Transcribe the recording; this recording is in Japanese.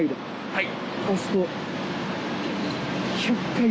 はい。